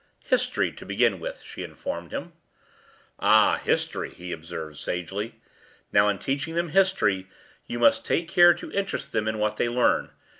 “History to begin with,” she informed him. “Ah, history,” he observed sagely; “now in teaching them history you must take care to interest them in what they learn.